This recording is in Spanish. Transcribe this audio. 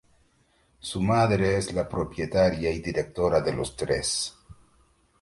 Su madre es la propietaria y directora de los tres.